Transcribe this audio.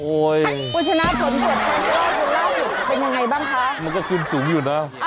โอ้ยคุณชนะส่วนสุดเป็นยังไงบ้างคะมันก็ขึ้นสูงอยู่น่ะ